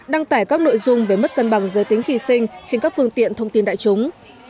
đăng tải các nội dung về mất cân bằng giới tính khi sinh trên các phương tiện thông tin đại chúng